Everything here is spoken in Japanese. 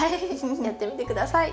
やってみて下さい。